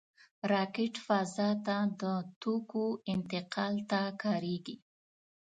راکټ فضا ته د توکو انتقال ته کارېږي